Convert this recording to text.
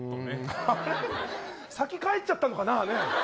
先、帰っちゃったのかな。